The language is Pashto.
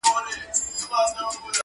o د ماينې مرگ د څنگلي درد دئ.